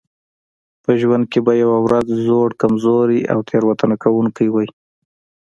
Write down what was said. په ژوند کې به یوه ورځ زوړ کمزوری او تېروتنه کوونکی وئ.